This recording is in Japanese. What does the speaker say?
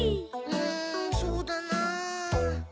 うーんそうだな。